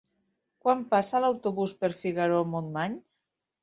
Quan passa l'autobús per Figaró-Montmany?